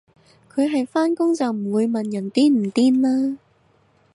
佢係返工就唔會問人癲唔癲啦